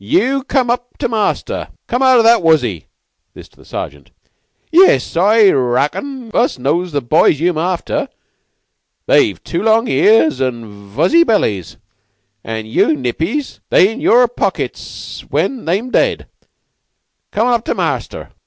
Yeou come up to the master. Come out o' that wuzzy! [This is to the Sergeant.] Yiss, I reckon us knows the boys yeou'm after. They've tu long ears an' vuzzy bellies, an' you nippies they in yeour pockets when they'm dead. Come on up to master!